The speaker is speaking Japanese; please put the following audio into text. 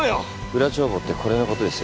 裏帳簿ってこれのことです？